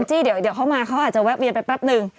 ที่เดี๋ยวเขามาเขาอาจจะแวะเวียนไปแป๊บนึง